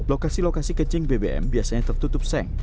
lokasi lokasi kencing bbm biasanya tertutup seng